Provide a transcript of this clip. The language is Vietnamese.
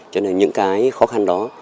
cho nên những cái khó khăn đó